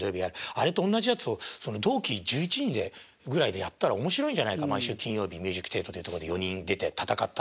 あれとおんなじやつを同期１１人ぐらいでやったら面白いんじゃないか毎週金曜日ミュージック・テイトってとこで４人出て戦ったら。